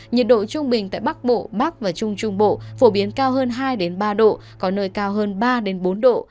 nhiệt độ trung bình tại bắc bộ bắc và trung trung bộ phổ biến cao hơn hai ba độ có nơi cao hơn ba bốn độ